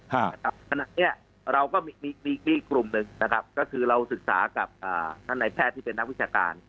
ขณะนี้เราก็มีอีกกลุ่มหนึ่งนะครับก็คือเราศึกษากับท่านในแพทย์ที่เป็นนักวิชาการ